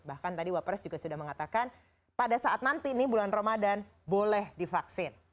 bahkan tadi wapres juga sudah mengatakan pada saat nanti ini bulan ramadan boleh divaksin